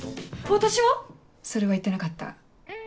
私は？それは言ってなかった。